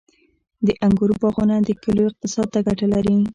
• د انګورو باغونه د کلیو اقتصاد ته ګټه لري.